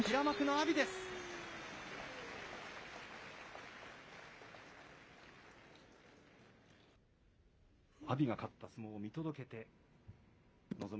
阿炎が勝った相撲を見届けて臨む